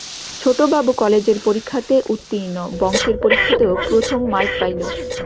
ছোটোবাবু কলেজের পরীক্ষাতে উত্তীর্ণ, বংশের পরীক্ষাতেও প্রথম মার্ক পাইল।